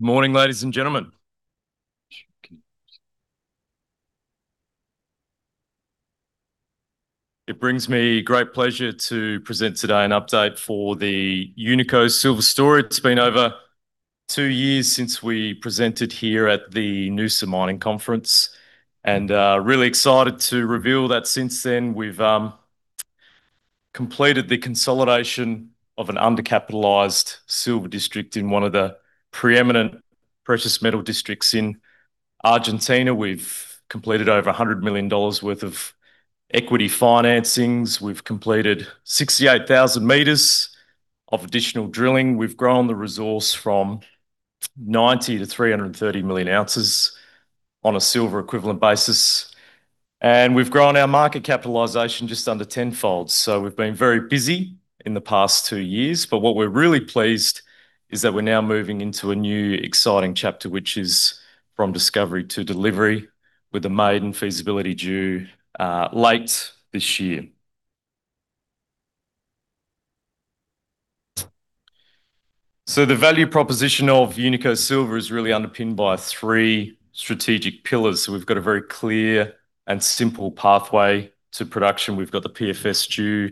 Morning, ladies and gentlemen. It brings me great pleasure to present today an update for the Unico Silver story. It's been over two years since we presented here at the Noosa Mining Conference. Really excited to reveal that since then, we've completed the consolidation of an under-capitalized silver district in one of the preeminent precious metal districts in Argentina. We've completed over 100 million dollars worth of equity financings. We've completed 68,000 m of additional drilling. We've grown the resource from 90 to 330 million ounces on a silver equivalent basis. We've grown our market capitalization just under tenfold. We've been very busy in the past two years, but what we're really pleased is that we're now moving into a new exciting chapter, which is from discovery to delivery with the maiden feasibility due late this year. The value proposition of Unico Silver is really underpinned by three strategic pillars. We've got a very clear and simple pathway to production. We've got the PFS due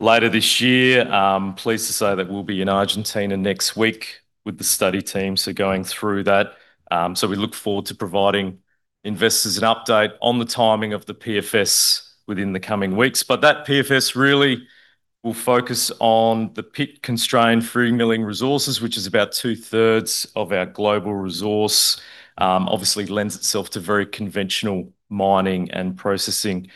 later this year. I'm pleased to say that we'll be in Argentina next week with the study team, so going through that. We look forward to providing investors an update on the timing of the PFS within the coming weeks. That PFS really will focus on the pit-constrained free milling resources, which is about two-thirds of our global resource. Obviously, lends itself to very conventional mining and processing.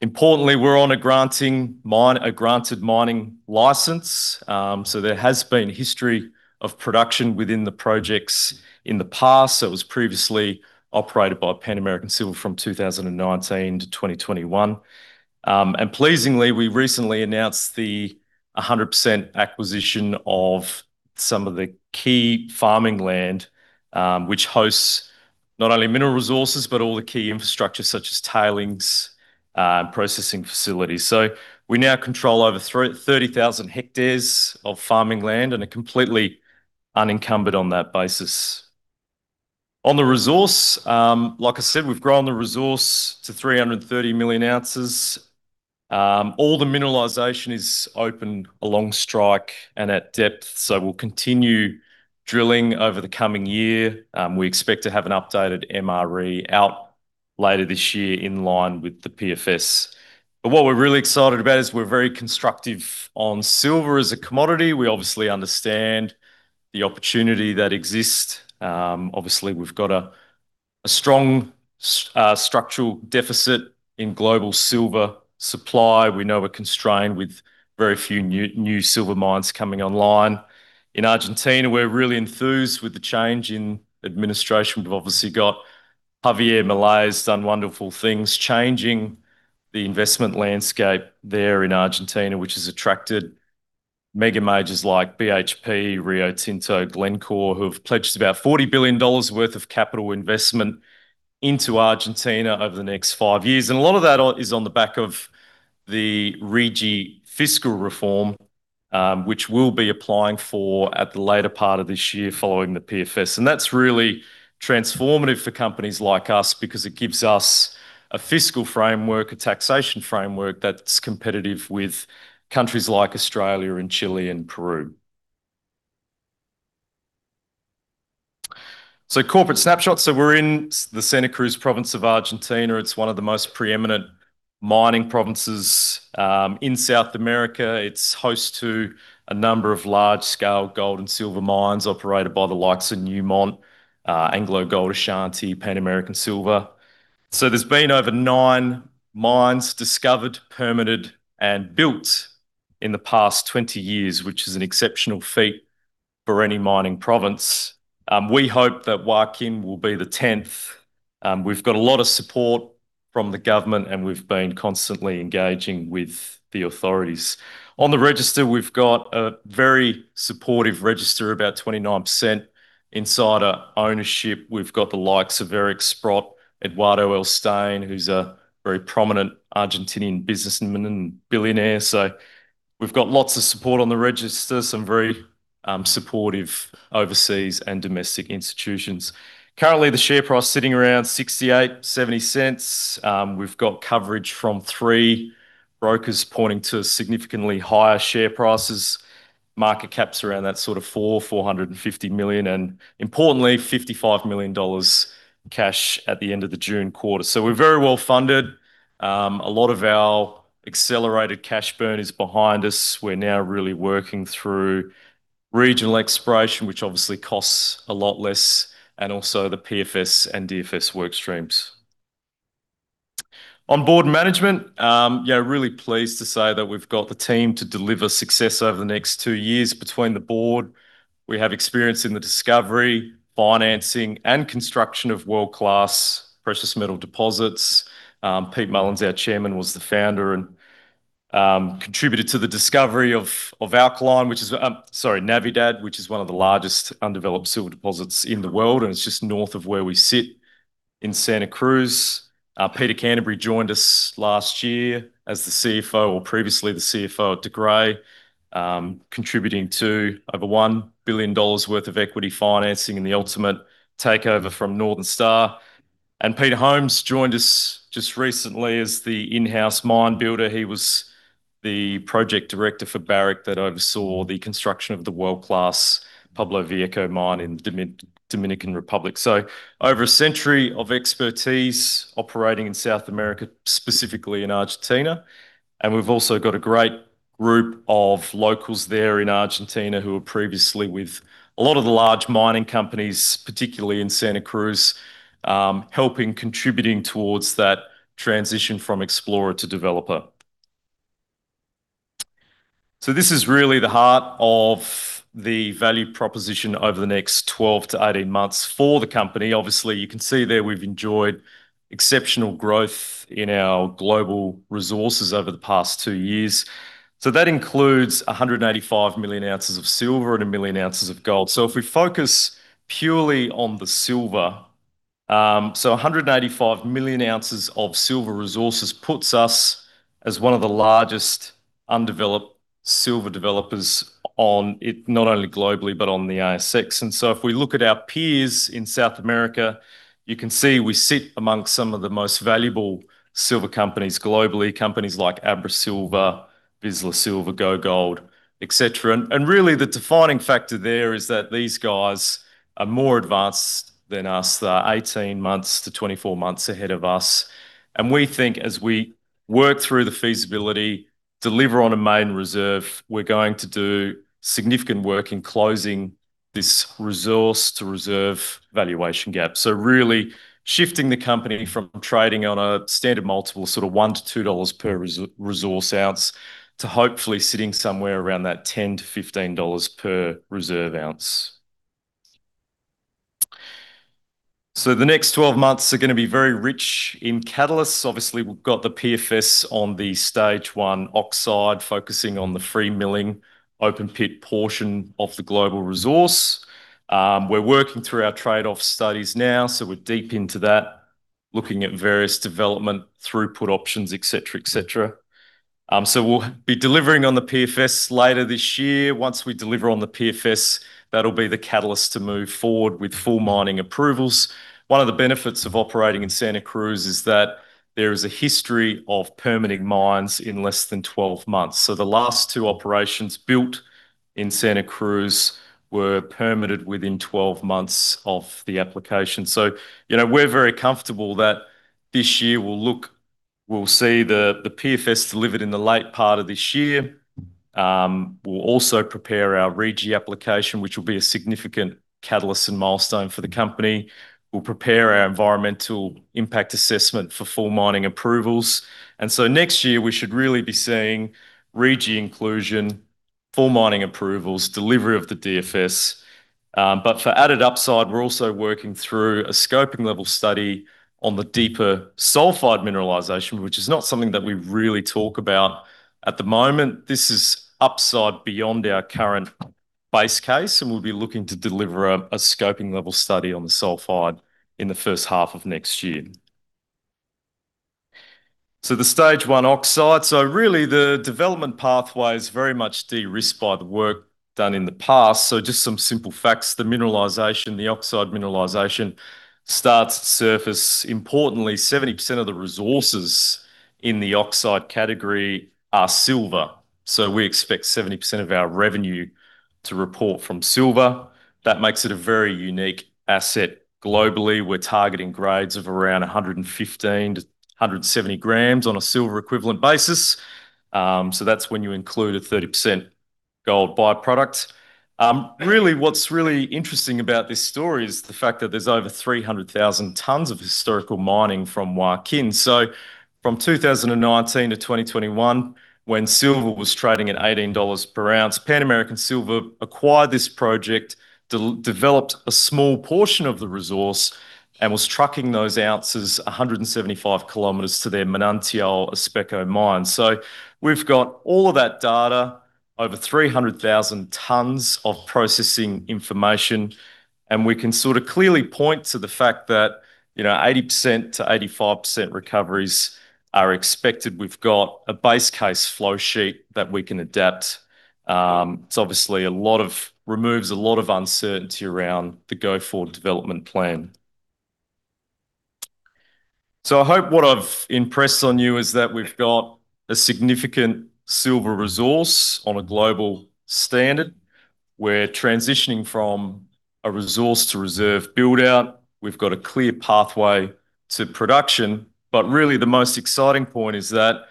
Importantly, we're on a granted mining license. There has been a history of production within the projects in the past. It was previously operated by Pan American Silver from 2019 to 2021. Pleasingly, we recently announced the 100% acquisition of some of the key farming land, which hosts not only mineral resources, but all the key infrastructure such as tailings and processing facilities. We now control over 30,000 hectares of farming land and are completely unencumbered on that basis. On the resource, like I said, we've grown the resource to 330 million ounces. All the mineralization is open along strike and at depth, so we'll continue drilling over the coming year. We expect to have an updated MRE out later this year in line with the PFS. What we're really excited about is we're very constructive on silver as a commodity. We obviously understand the opportunity that exists. Obviously, we've got a strong structural deficit in global silver supply. We know we're constrained with very few new silver mines coming online. In Argentina, we're really enthused with the change in administration. We've obviously got Javier Milei has done wonderful things, changing the investment landscape there in Argentina, which has attracted mega majors like BHP, Rio Tinto, Glencore, who have pledged about 40 billion dollars worth of capital investment into Argentina over the next five years. A lot of that is on the back of the RIGI fiscal reform, which we'll be applying for at the later part of this year following the PFS. That's really transformative for companies like us because it gives us a fiscal framework, a taxation framework that's competitive with countries like Australia and Chile and Peru. Corporate snapshot. We're in the Santa Cruz province of Argentina. It's one of the most preeminent mining provinces in South America. It's host to a number of large-scale gold and silver mines operated by the likes of Newmont, AngloGold Ashanti, Pan American Silver. There's been over nine mines discovered, permitted, and built in the past 20 years, which is an exceptional feat for any mining province. We hope that Joaquin will be the 10th. We've got a lot of support from the government, and we've been constantly engaging with the authorities. On the register, we've got a very supportive register, about 29% insider ownership. We've got the likes of Eric Sprott, Eduardo Eurnekian, who's a very prominent Argentinian businessman and billionaire. We've got lots of support on the register, some very supportive overseas and domestic institutions. Currently, the share price sitting around 0.68, 0.70. We've got coverage from three brokers pointing to significantly higher share prices. Market caps around that sort of 400 million, 450 million, and importantly, 55 million dollars cash at the end of the June quarter. We're very well funded. A lot of our accelerated cash burn is behind us. We're now really working through regional exploration, which obviously costs a lot less, and also the PFS and DFS work streams. On board management, yeah, really pleased to say that we've got the team to deliver success over the next two years. Between the board, we have experience in the discovery, financing, and construction of world-class precious metal deposits. Pete Mullens, our Chairman, was the founder and contributed to the discovery of Aquiline, which is Navidad, which is one of the largest undeveloped silver deposits in the world, and it's just north of where we sit in Santa Cruz. Peter Canterbury joined us last year as the CFO, or previously the CFO at De Grey, contributing to over 1 billion dollars worth of equity financing in the ultimate takeover from Northern Star. Peter Holmes joined us just recently as the in-house mine builder. He was the project director for Barrick that oversaw the construction of the world-class Pueblo Viejo mine in Dominican Republic. Over a century of expertise operating in South America, specifically in Argentina. We've also got a great group of locals there in Argentina who were previously with a lot of the large mining companies, particularly in Santa Cruz, helping contributing towards that transition from explorer to developer. This is really the heart of the value proposition over the next 12-18 months for the company. Obviously, you can see there, we've enjoyed exceptional growth in our global resources over the past two years. That includes 185 million ounces of silver and 1 million ounces of gold. If we focus purely on the silver, 185 million ounces of silver resources puts us as one of the largest undeveloped silver developers on it, not only globally, but on the ASX. If we look at our peers in South America, you can see we sit amongst some of the most valuable silver companies globally. Companies like Abra Silver, Vizsla Silver, GoGold, et cetera. Really the defining factor there is that these guys are more advanced than us. They are 18 months to 24 months ahead of us. We think as we work through the feasibility, deliver on a maiden reserve, we're going to do significant work in closing this resource-to-reserve valuation gap. Really shifting the company from trading on a standard multiple, 1-2 dollars per resource ounce, to hopefully sitting somewhere around that 10-15 dollars per reserve ounce. The next 12 months are going to be very rich in catalysts. Obviously, we've got the PFS on the stage 1 oxide, focusing on the free-milling open pit portion of the global resource. We're working through our trade-off studies now, so we're deep into that, looking at various development throughput options, etc. We'll be delivering on the PFS later this year. Once we deliver on the PFS, that'll be the catalyst to move forward with full mining approvals. One of the benefits of operating in Santa Cruz is that there is a history of permitting mines in less than 12 months. The last two operations built in Santa Cruz were permitted within 12 months of the application. We're very comfortable that this year we'll see the PFS delivered in the late part of this year. We'll also prepare our RIGI application, which will be a significant catalyst and milestone for the company. We'll prepare our environmental impact assessment for full mining approvals. Next year we should really be seeing RIGI inclusion, full mining approvals, delivery of the DFS. But for added upside, we're also working through a scoping-level study on the deeper sulfide mineralization, which is not something that we really talk about at the moment. This is upside beyond our current base case. We'll be looking to deliver a scoping-level study on the sulfide in the first half of next year. The stage 1 oxide. Really the development pathway is very much de-risked by the work done in the past. Just some simple facts. The mineralization, the oxide mineralization starts to surface. Importantly, 70% of the resources in the oxide category are silver. We expect 70% of our revenue to report from silver. That makes it a very unique asset. Globally, we're targeting grades of around 115 g-170 g on an AgEq basis. That's when you include a 30% gold by-product. What's really interesting about this story is the fact that there's over 300,000 tons of historical mining from Joaquin. From 2019 to 2021 when silver was trading at 18 dollars per ounce, Pan American Silver acquired this project, developed a small portion of the resource, and was trucking those ounces 175 km to their Manantial Espejo mine. We've got all of that data, over 300,000 tons of processing information, and we can clearly point to the fact that 80%-85% recoveries are expected. We've got a base case flow sheet that we can adapt. It obviously removes a lot of uncertainty around the go-forward development plan. I hope what I've impressed on you is that we've got a significant silver resource on a global standard. We're transitioning from a resource-to-reserve build-out. We've got a clear pathway to production, but really the most exciting point is that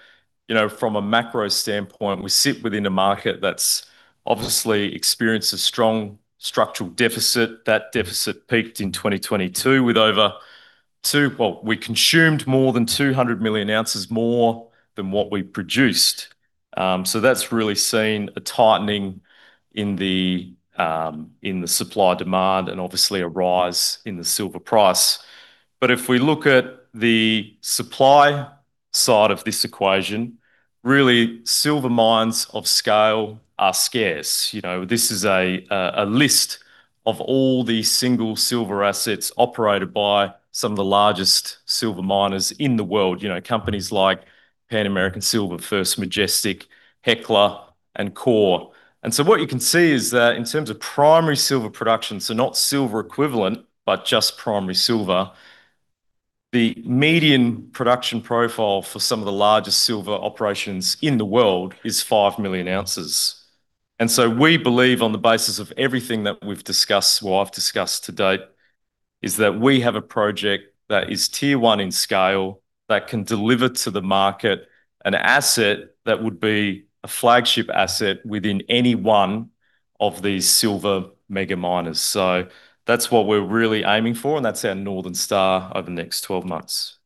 from a macro standpoint, we sit within a market that's obviously experienced a strong structural deficit. That deficit peaked in 2022. We consumed more than 200 million ounces, more than what we produced. That's really seen a tightening in the supply-demand and obviously a rise in the silver price. If we look at the supply side of this equation. Really, silver mines of scale are scarce. This is a list of all the single silver assets operated by some of the largest silver miners in the world. Companies like Pan American Silver, First Majestic, Hecla, and Coeur. What you can see is that in terms of primary silver production, not silver equivalent but just primary silver, the median production profile for some of the largest silver operations in the world is five million ounces. We believe, on the basis of everything that we've discussed or I've discussed to date, is that we have a project that is tier 1 in scale that can deliver to the market an asset that would be a flagship asset within any one of these silver mega miners. That's what we're really aiming for, and that's our Northern Star over the next 12 months.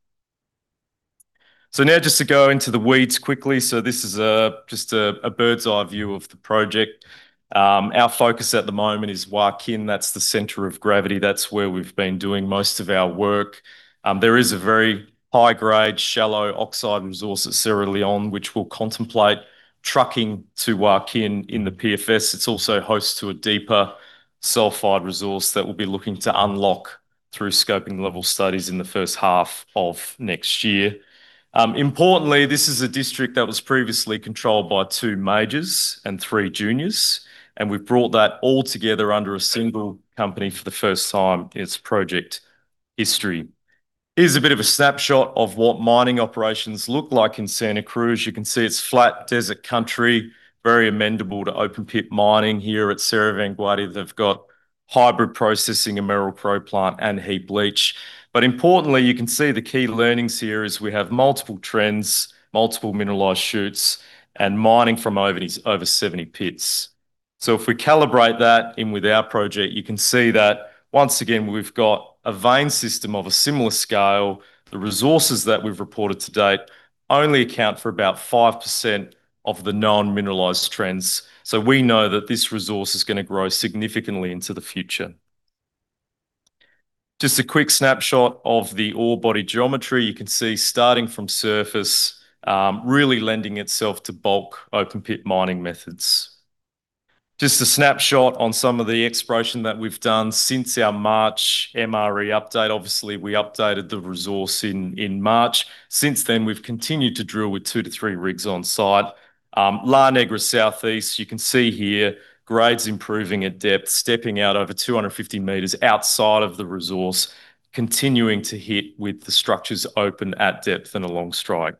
Now just to go into the weeds quickly. This is just a bird's-eye view of the project. Our focus at the moment is Joaquin. That's the center of gravity. That's where we've been doing most of our work. There is a very high-grade, shallow oxide resource at Cerro Leon, which we'll contemplate trucking to Joaquin in the PFS. It's also host to a deeper sulfide resource that we'll be looking to unlock through scoping level studies in the first half of next year. Importantly, this is a district that was previously controlled by two majors and three juniors, and we've brought that all together under a single company for the first time in its project history. Here's a bit of a snapshot of what mining operations look like in Santa Cruz. You can see it's flat desert country. Very amenable to open-pit mining here at Cerro Vanguardia. They've got hybrid processing, a Merrill-Crowe plant and heap leach. Importantly, you can see the key learnings here is we have multiple trends, multiple mineralized shoots, and mining from over 70 pits. If we calibrate that in with our project, you can see that once again, we've got a vein system of a similar scale. The resources that we've reported to date only account for about 5% of the non-mineralized trends. We know that this resource is going to grow significantly into the future. Just a quick snapshot of the ore body geometry. You can see starting from surface, really lending itself to bulk open-pit mining methods. Just a snapshot on some of the exploration that we've done since our March MRE update. Obviously, we updated the resource in March. Since then, we've continued to drill with two to three rigs on site. La Negra Southeast, you can see here grades improving at depth, stepping out over 250 m outside of the resource, continuing to hit with the structures open at depth and along strike.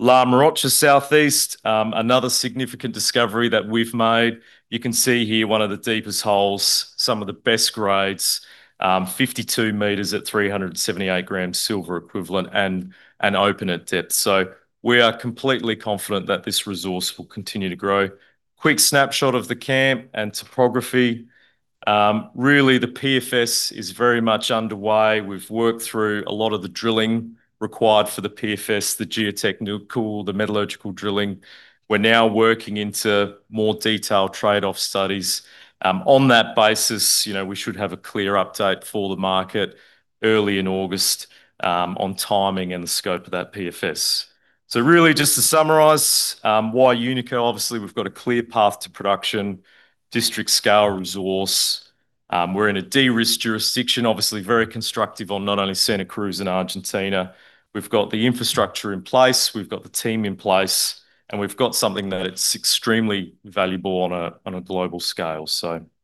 La Morocha Southeast, another significant discovery that we've made. You can see here one of the deepest holes, some of the best grades, 52 m at 378 g silver equivalent and open at depth. We are completely confident that this resource will continue to grow. Quick snapshot of the camp and topography. The PFS is very much underway. We've worked through a lot of the drilling required for the PFS, the geotechnical, the metallurgical drilling. We're now working into more detailed trade-off studies. On that basis, we should have a clear update for the market early in August on timing and the scope of that PFS. Just to summarize why Unico. Obviously, we've got a clear path to production, district-scale resource. We're in a de-risked jurisdiction, obviously very constructive on not only Santa Cruz and Argentina. We've got the infrastructure in place, we've got the team in place, and we've got something that it's extremely valuable on a global scale. Thank you